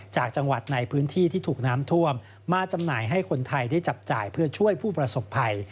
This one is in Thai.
จากจังหวัดในพื้นที่ที่ถูกน้ำท่วมมาจำหน่ายให้คนไทยได้จับจ่ายเพื่อช่วยผู้ประสบภัย